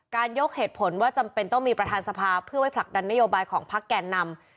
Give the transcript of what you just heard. ยกเหตุผลว่าจำเป็นต้องมีประธานสภาเพื่อไว้ผลักดันนโยบายของพักแก่นำ